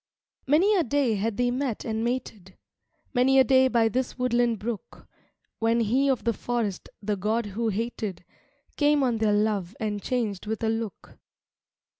VI Many a day had they met and mated, Many a day by this woodland brook, When he of the forest, the god who hated, Came on their love and changed with a look.